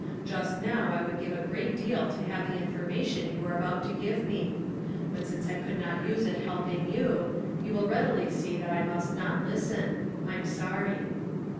Just now I would give a great deal to have the information you were about to give me. But since I could not use it helping you, you will readily see that I must not listen. I'm sorry."